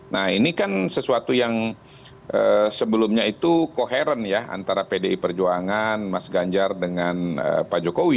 nah ini kan sesuatu yang sebelumnya itu koheren ya antara pdi perjuangan mas ganjar dengan pak jokowi